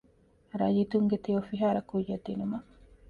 ރައްޔިތުންގެ ތެޔޮފިހާރަ ކުއްޔަށް ދިނުމަށް